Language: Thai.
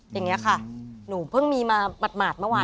อย่างนี้ค่ะหนูเพิ่งมีมาหมาดเมื่อวาน